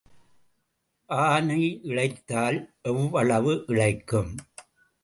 ஆனை இளைத்தால் எவ்வளவு இளைக்கும்?